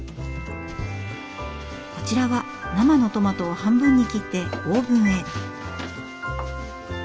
こちらは生のトマトを半分に切ってオーブンへ。